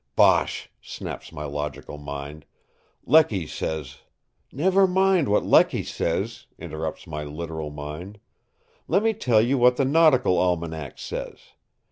"Bosh!" snaps my logical mind. "Lecky says—" "Never mind what Lecky says," interrupts my literal mind. "Let me tell you what the Nautical Almanac says.